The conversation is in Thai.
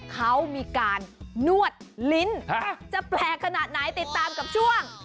เขามีการนวดลิ้นจะแปลกขนาดไหนติดตามกับช่วง